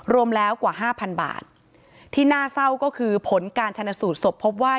รวมแล้วกว่าห้าพันบาทที่น่าเศร้าก็คือผลการชนะสูตรศพพบว่า